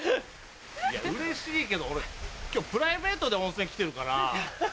うれしいけど俺今日プライベートで温泉来てるから。